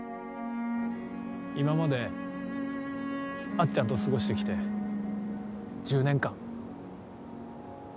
今まであっちゃんと過ごして来て１０年間。